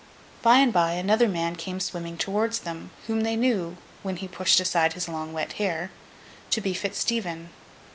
By and by, another man came swimming towards them, whom they knew, when he pushed aside his long wet hair, to be Fitz Stephen.